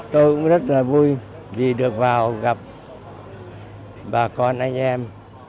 tôi cũng rất là vui vì được vào gặp bà con anh em